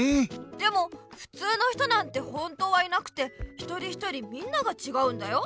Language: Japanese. でもふつうの人なんて本当はいなくて一人一人みんながちがうんだよ。